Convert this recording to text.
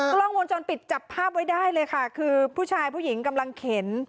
กล้องวงจรปิดจับภาพไว้ได้เลยค่ะคือผู้ชายผู้หญิงกำลังเข็น